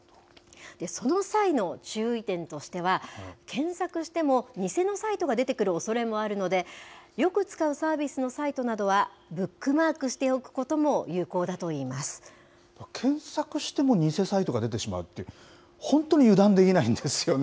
その際の注意点としては、検索しても偽のサイトが出てくるおそれもあるので、よく使うサービスのサイトなどはブックマークしておくことも有効検索しても偽サイトが出てしまうって、本当に油断できないんですよね。